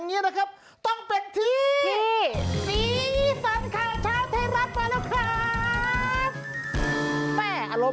สวัสดีค่ะต่างทุกคน